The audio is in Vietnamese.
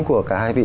của cả hai vị